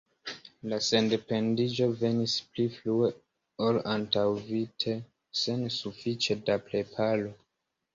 La sendependiĝo venis pli frue ol antaŭvidite, sen sufiĉe da preparo.